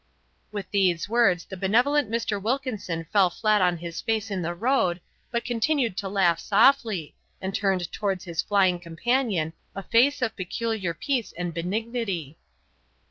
With these words the benevolent Mr. Wilkinson fell flat on his face in the road, but continued to laugh softly, and turned towards his flying companion a face of peculiar peace and benignity.